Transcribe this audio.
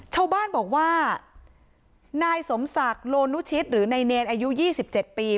ชาวบ้านบอกว่านายสมศักดิ์โลนุชิตหรือนายเนรอายุ๒๗ปี